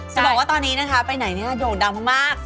จะบอกว่าตอนนี้นะคะไปไหนดูดำมาก